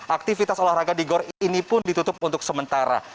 aktivitas olahraga di gor ini pun ditutup untuk sementara